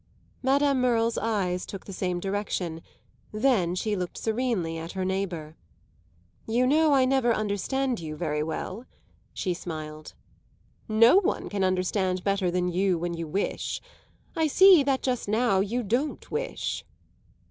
Madame Merle's eyes took the same direction; then she looked serenely at her neighbour. "You know I never understand you very well," she smiled. "No one can understand better than you when you wish. I see that just now you don't wish."